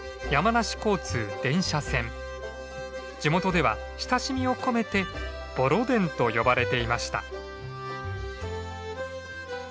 地元では親しみを込めてボロ電と呼ばれていました。